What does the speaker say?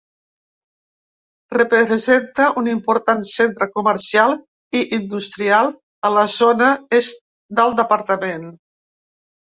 Representa un important centre comercial i industrial a la zona est del departament.